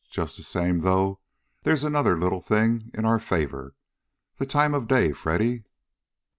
Just the same, though, there's another little thing in our favor. The time of day, Freddy!"